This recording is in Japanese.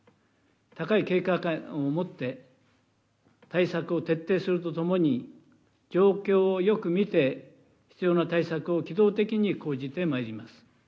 高い警戒感を持って、対策を徹底するとともに、状況をよく見て、必要な対策を機動的に講じてまいります。